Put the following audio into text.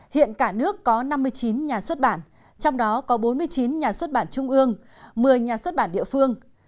hiện cả nước có năm mươi chín nhà xuất bản trong đó có bốn mươi chín nhà xuất bản trung ương một mươi nhà xuất bản địa phương